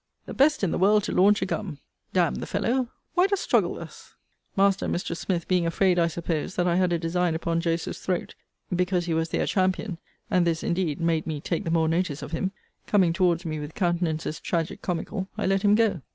The best in the world to launch a gum. D n the fellow, why dost struggle thus? Master and Mistress Smith being afraid, I suppose, that I had a design upon Joseph's throat, because he was their champion, (and this, indeed, made me take the more notice of him,) coming towards me with countenances tragic comical, I let him go.